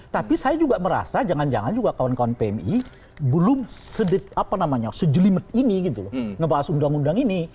tapi saya juga merasa jangan jangan juga kawan kawan pmi belum sejelimet ini gitu loh ngebahas undang undang ini